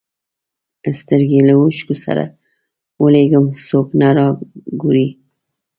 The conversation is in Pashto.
سترګي له اوښکو سره ولېږم څوک نه را ګوري